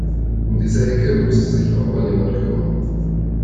Um diese Hecke müsste sich auch mal jemand kümmern.